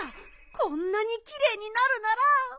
こんなにきれいになるなら。